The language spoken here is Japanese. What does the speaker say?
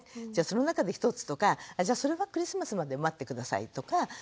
じゃその中で１つとかじゃそれはクリスマスまで待って下さいとか。